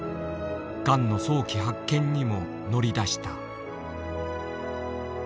ガンの早期発見にも乗り出した。